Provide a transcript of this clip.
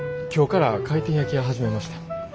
今日から回転焼き屋始めました。